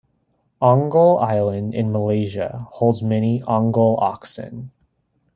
Ongole Island, in Malaysia, holds many Ongole Oxen.